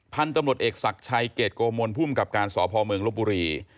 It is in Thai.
พันธุ์ตำรวจเอกศักดิ์ชัยเกรดโกมลภูมิกับการสพเมืองลบบุรี